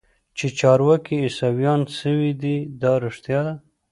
چې چارواکي عيسويان سوي دي دا رښتيا ده.